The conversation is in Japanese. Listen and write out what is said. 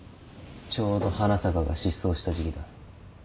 ちょうど花坂が失踪した時期だ。